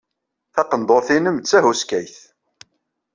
Taqendurt-nnem d tahuskayt.